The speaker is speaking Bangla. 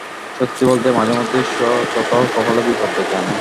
সত্যি বলতে, মাঝেমধ্যে স ততাও কপালে বিপদ ডেকে আনে।